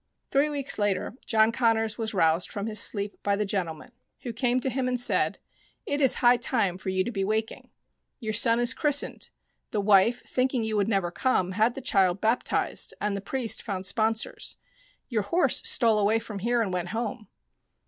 Three weeks later John Connors was roused from his sleep by the gentleman, who came to him and said :" It is high time for you to be waking. Your son is christened. The wife, thinking you would never come, had the child baptized, and the priest found sponsors. Your horse stole away from here and went home."